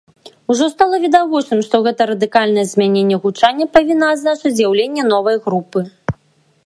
Ужо стала відавочным, што гэта радыкальнае змяненне гучання павінна адзначыць з'яўленне новай групы.